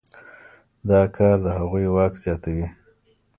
دا کار د هغوی واک زیاتوي.